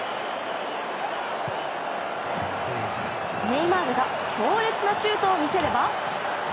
ネイマールが強烈なシュートを見せれば。